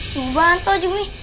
tuh bantal juga nih